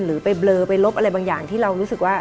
หรือไปเบลอไปลบอะไรบางอย่างที่เรารู้สึกว่า